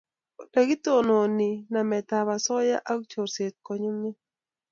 Ole kitononi namet ab asoya ak chorset ko nyunyum